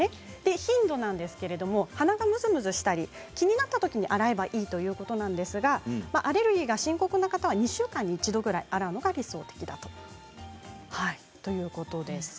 頻度なんですが鼻がむずむずしたり気になったときに洗えばいいということなんですがアレルギーが深刻な方は２週間に一度くらい洗うのが理想ということです。